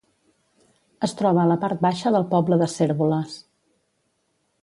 Es troba a la part baixa del poble de Cérvoles.